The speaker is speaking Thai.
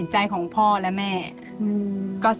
ลูกขาดแม่